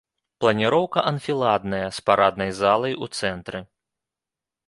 Планіроўка анфіладная з параднай залай у цэнтры.